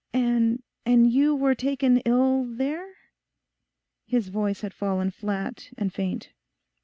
'And and you were taken ill there?' His voice had fallen flat and faint.